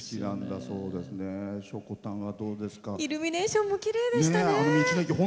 イルミネーションもきれいでしたね。